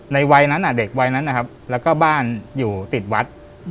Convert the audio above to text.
วัยนั้นเด็กวัยนั้นนะครับแล้วก็บ้านอยู่ติดวัด